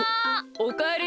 おかえり。